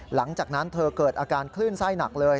หลังจากนั้นเธอเกิดอาการคลื่นไส้หนักเลย